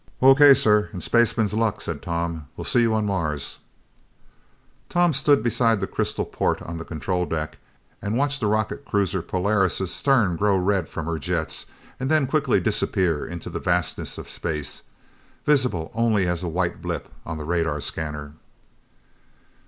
"O.K., sir, and spaceman's luck!" said Tom. "We'll see you on Mars!" Tom stood beside the crystal port on the control deck and watched the rocket cruiser Polaris' stern glow red from her jets, and then quickly disappear into the vastness of space, visible only as a white blip on the radar scanner.